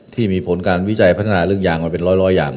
ที่มีผลการวิจัยพัฒนาเรื่องยางมาเป็นร้อยอย่าง